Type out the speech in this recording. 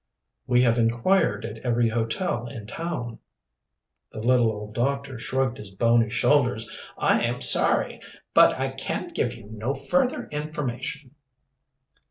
"We have inquired at every hotel in town." The little old doctor shrugged his bony shoulders. "I am sorry, but I can give you no further information."